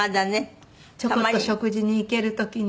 ちょこっと食事に行ける時に。